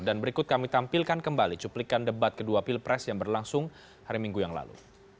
dan berikut kami tampilkan kembali cuplikan debat kedua pilpres yang berlangsung hari minggu yang lalu